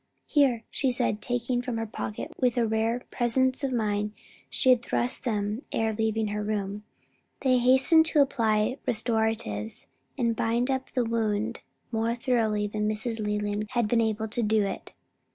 "Here," she said, taking them from her pocket, where, with rare presence of mind, she had thrust them ere leaving her room. They hastened to apply restoratives, and bind up the wound more thoroughly than Mrs. Leland had been able to do it.